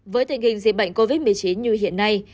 với tình hình dịch bệnh covid một mươi chín như hiện nay